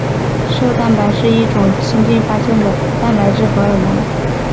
瘦蛋白是一种新近发现的蛋白质荷尔蒙。